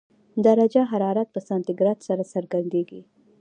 درجه حرارت په سانتي ګراد سره څرګندېږي.